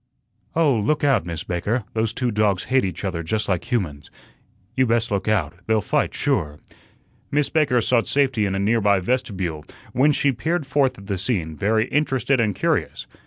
"Oh, look out, Miss Baker. Those two dogs hate each other just like humans. You best look out. They'll fight sure." Miss Baker sought safety in a nearby vestibule, whence she peered forth at the scene, very interested and curious.